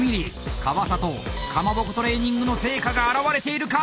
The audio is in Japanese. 川里かまぼこトレーニングの成果があらわれているか！